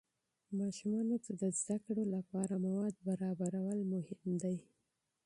ماشومان ته د تعلیم لپاره مواد برابرول مهم دي.